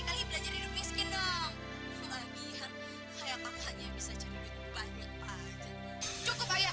kali belajar hidup miskin dong kelahian kayaknya bisa jadi banyak cukup cukup